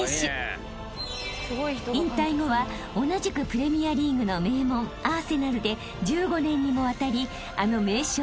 ［引退後は同じくプレミアリーグの名門アーセナルで１５年にもわたりあの名将